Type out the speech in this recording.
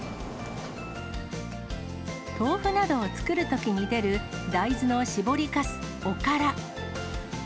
豆腐などを作るときに出る大豆の搾りかす、おから。